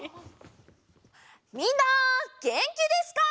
みんなげんきですか？